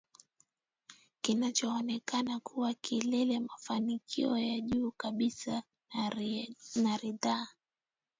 kinachoonekana kuwa kilele mafanikio ya juu kabisa na ridhaa